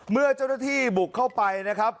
เมื่อเจ้าหน้าที่บุกเข้าไปนะครับ